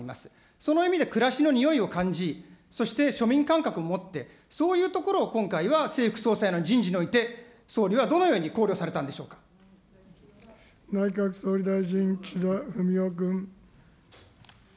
その意味で暮らしのにおいを感じ、そして庶民感覚を持って、そういうところを今回は正副総裁の人事において、総理はどのよう内閣総理大臣、岸田文雄君。